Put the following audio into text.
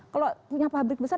kalau punya pabrik besar